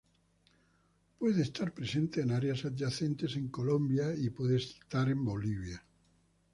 Puede estar presente en áreas adyacentes en Colombia y puede estar en Bolivia.